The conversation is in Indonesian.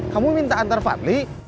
kamu minta antar fadli